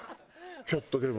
ちょっとでも。